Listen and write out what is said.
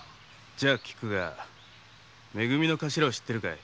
じゃ訊くが「め組」のカシラを知ってるかい？